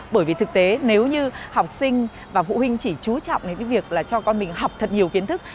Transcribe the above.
bởi vì thực tế nếu như học sinh và phụ huynh chỉ trú trọng đến cái việc là cho con mình học thật nhiều kiến thức